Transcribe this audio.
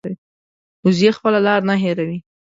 وزې خپله لار نه هېروي